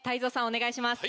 お願いします。